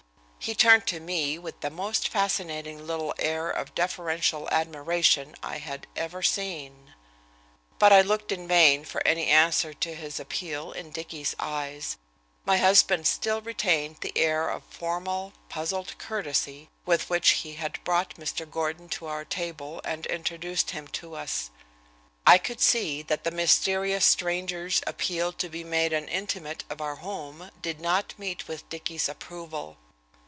He turned to me with the most fascinating little air of deferential admiration I had ever seen. But I looked in vain for any answer to his appeal in Dicky's eyes. My husband still retained the air of formal, puzzled courtesy with which he had brought Mr. Gordon to our table and introduced him to us. I could see that the mysterious stranger's appeal to be made an intimate of our home did not meet with Dicky's approval.